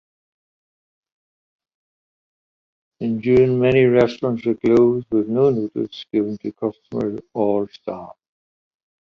In June, many restaurants were closed with no notice given to customers or staff.